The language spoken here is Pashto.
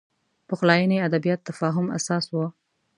پخلاینې ادبیات تفاهم اساس و